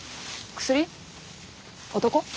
薬？男？